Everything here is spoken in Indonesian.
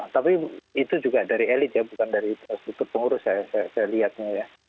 tapi itu juga dari elit ya bukan dari struktur pengurus saya lihatnya ya